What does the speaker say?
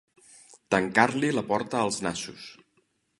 Tancar-li la porta als nassos.